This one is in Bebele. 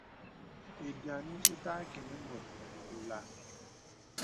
Lbīani ìtà kə nə mùt olā.